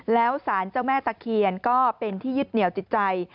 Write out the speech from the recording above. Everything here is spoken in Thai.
แล้วสารเจ้าแม่ตะเคียนก็เป็นที่ยึดเหนียวจิตใจ